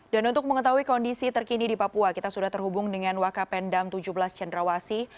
dan untuk mengetahui kondisi terkini di papua kita sudah terhubung dengan wakapendam tujuh belas cendrawasi